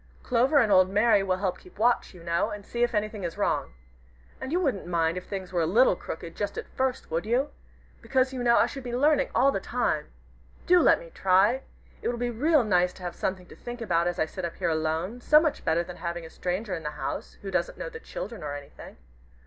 Clover and old Mary will keep watch, you know, and see if anything is wrong. And you wouldn't mind if things were a little crooked just at first, would you? because, you know, I should be learning all the time. Do let me try! It will be real nice to have something to think about as I sit up here alone, so much better than having a stranger in the house who doesn't know the children or anything.